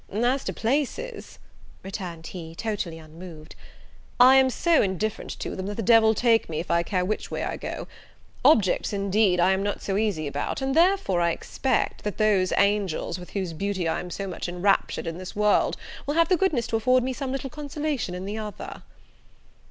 "As to places," returned he, totally unmoved, "I am so indifferent to them, that the devil take me if I care which way I go! objects, indeed, I am not so easy about; and, therefore, I expect, that those angels with whose beauty I am so much enraptured in this world, will have the goodness to afford me some little consolation in the other."